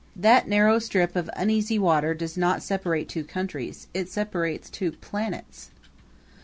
That narrow strip of uneasy water does not separate two countries it separates two planets.